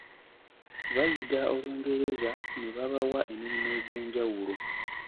Bayiga Olungereza ne babawa emirimu egy’enjawulo.